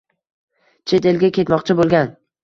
— Chet elga ketmoqchi bo‘lgan?